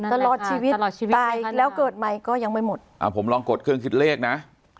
ตลอดชีวิตตายแล้วเกิดใหม่ก็ยังไม่หมดอ่าผมลองกดเครื่องคิดเลขนะ